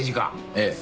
ええ。